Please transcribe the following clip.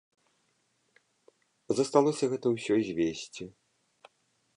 Засталося гэта ўсё звесці.